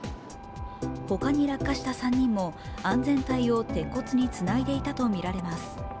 ほかに落下した３人も安全帯を鉄骨につないでいたとみられます。